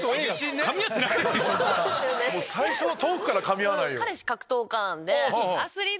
最初のトークからかみ合わないよ。